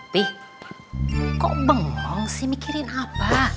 pih kok bengong sih mikirin apa